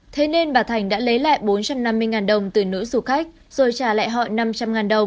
thế nên bà thành đã lấy lại bốn trăm năm mươi đồng từ nữ du khách rồi trả lại họ năm trăm linh đồng